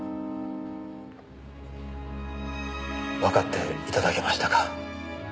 わかって頂けましたか。